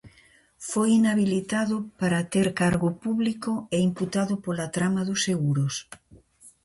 Foi inhabilitado para ter cargo público e imputado pola trama dos seguros.